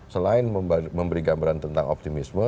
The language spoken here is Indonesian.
selain memberi gambaran tentang optimisme